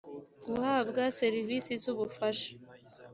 guhabwa serivisi z ubufasha